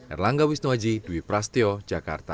erlangga wisnuaji dwi prasetyo jakarta